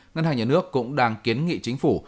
ngân hàng nhà nước cũng đang kiến nghị chính phủ